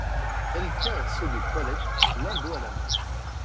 Elle tient un seau de toilette plein d’eau à la. main.